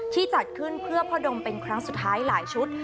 จัดขึ้นเพื่อพ่อดมเป็นครั้งสุดท้ายหลายชุด